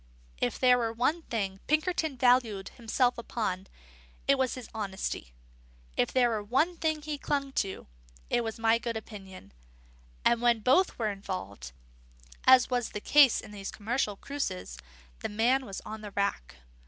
If there were one thing Pinkerton valued himself upon, it was his honesty; if there were one thing he clung to, it was my good opinion; and when both were involved, as was the case in these commercial cruces, the man was on the rack.